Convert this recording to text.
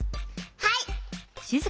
はい！